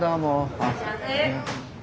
いらっしゃいませ。